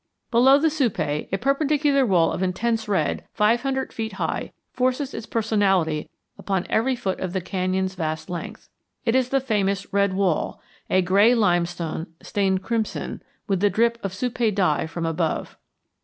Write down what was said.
Below the Supai, a perpendicular wall of intense red five hundred feet high forces its personality upon every foot of the canyon's vast length. This is the famous Redwall, a gray limestone stained crimson with the drip of Supai dye from above.